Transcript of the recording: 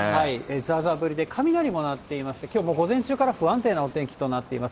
ざーざー降りで、雷も鳴っていまして、きょう午前中から不安定なお天気となっています。